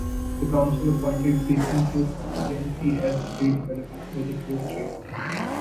The council appointed Gleeson Group plc as the lead developer for the four streets.